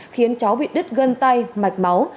khiến cháu bị đứt gân tay mạch máu